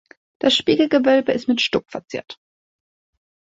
Das Spiegelgewölbe ist mit Stuck verziert.